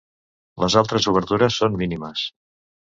Les altres obertures són mínimes.